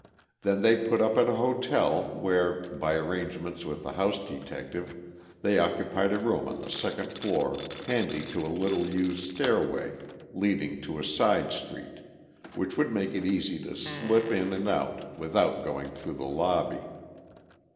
Then they put up at a hotel where, by arrangements with the house detective, they occupied a room on the second floor handy to a little used stairway leading to a side street, which would make it easy to slip in and out without going through the lobby.